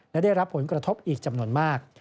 และได้รับผลกระทบอีกจำนวนมาก